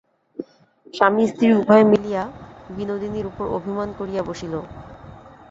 স্বামী স্ত্রী উভয়ে মিলিয়া বিনোদিনীর উপর অভিমান করিয়া বসিল।